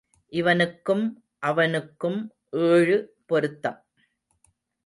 இவனுக்கும் அவனுக்கும் ஏழு பொருத்தம்.